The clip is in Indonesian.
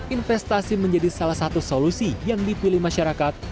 investasi menjadi salah satu solusi yang dipilih masyarakat